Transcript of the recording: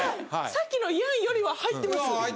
さっきのイヤーンよりは入ってます。